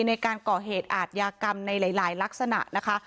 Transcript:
ในการก่อเหตุอาทยากรรมในหลายลักษณะนะคะ